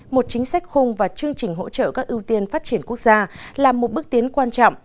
một chính sách khung và chương trình hỗ trợ các ưu tiên phát triển quốc gia là một bước tiến quan trọng